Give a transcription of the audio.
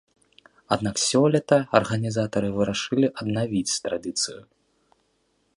Аднак сёлета арганізатары вырашылі аднавіць традыцыю.